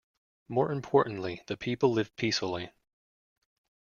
More importantly, the people live peacefully.